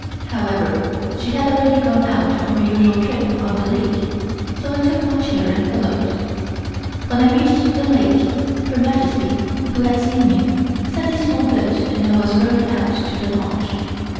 However, she had already gone out for her usual trip on the lake, so I took my chair and followed. When I reached the lake, Her Majesty, who had seen me, sent a small boat and I was rowed out to the launch.